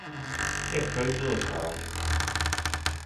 É froito do traballo.